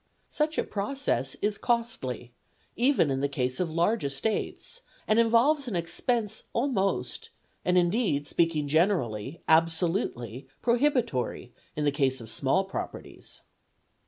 Such a process is costly, even in the case of large estates, and involves an expense almost, and, indeed, speaking generally, absolutely prohibitory in the case of small properties.